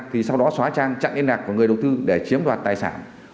thì sau đó xóa trang chặn liên lạc của người đầu tư để chiếm đoạt tài sản